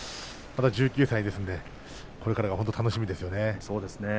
１９歳ですのでこれからが本当に楽しみですよね。